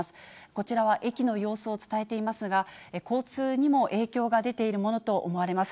こちらは駅の様子を伝えていますが、交通にも影響が出ているものと思われます。